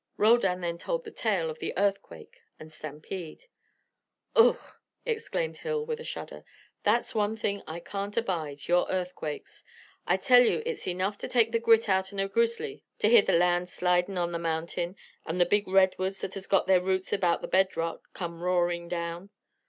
Roldan then told the tale of the earthquake and stampede. "Ugh!" exclaimed Hill, with a shudder. "That's one thing I can't abide your earthquakes. I tell you it's enough to take the grit outen a grizzly to hear the land sliden on the mountain and the big redwoods that has got their roots about the bed rock come roarin' down.